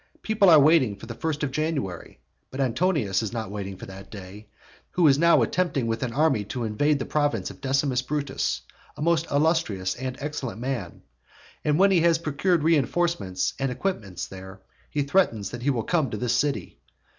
People are waiting for the first of January. But Antonius is not waiting for that day, who is now attempting with an army to invade the province of Decimus Brutus, a most illustrious and excellent man. And when he has procured reinforcements and equipments there, he threatens that he will come to this city.